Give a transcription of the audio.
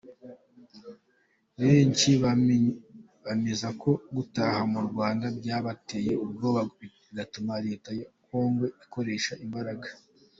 Benshi bemeza ko gutaha mu Rwanda byabateye ubwoba bigatuma leta ya Kongo ikoresha imbaraga.